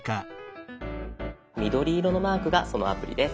緑色のマークがそのアプリです。